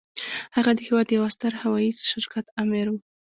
هغه د هېواد د يوه ستر هوايي شرکت آمر و.